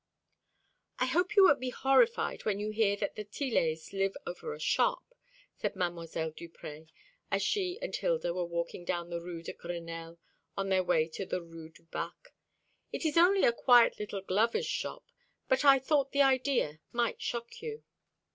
"I hope you won't be horrified when you hear that the Tillets live over a shop," said Mdlle. Duprez, as she and Hilda were walking down the Rue de Grenelle on their way to the Rue du Bac. "It is only a quiet little glover's shop, but I thought the idea might shock you."